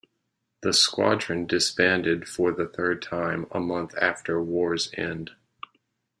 The squadron disbanded for the third time a month after war's end.